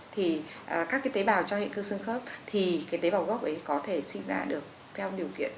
thì các cái tế bào cho hệ cơ xương khớp thì cái tế bào gốc ấy có thể sinh ra được theo điều kiện